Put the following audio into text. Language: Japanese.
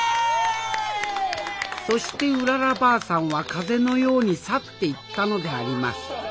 そしてうららばあさんは風のように去っていったのであります。